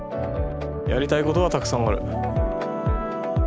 やりたいことはたくさんある。